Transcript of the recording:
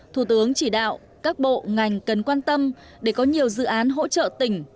thủ tướng chỉ đạo các bộ ngành cần quan tâm để có nhiều dự án hỗ trợ tỉnh